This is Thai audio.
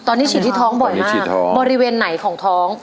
ตอนนี้ฉีดที่ท้องบ่อยมากบริเวณไหนของท้อง